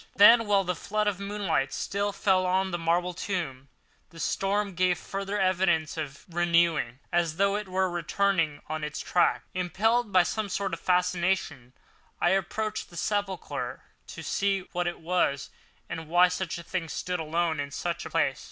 Then while the flood of moonlight still fell on the marble tomb, the storm gave further evidence of renewing, as though it was returning on its track. Impelled by some sort of fascination, I approached the sepulchre to see what it was, and why such a thing stood alone in such a place.